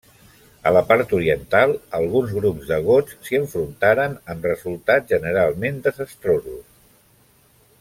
A la part oriental, alguns grups de gots s'hi enfrontaren, amb resultats generalment desastrosos.